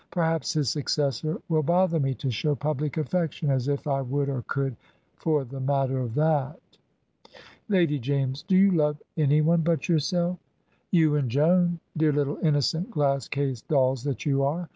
Perhaps his successor will bother me to show public affection: as if I would or could, for the matter of that." "Lady James, do you love any one but yourself?" "You and Joan dear little innocent glass case dolls that you are.